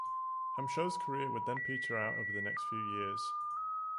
Hamsho's career would then peter out over the next few years.